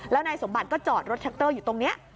แล้วนายสมบัติก็จอดรถแท็กเตอร์อยู่ตรงนี้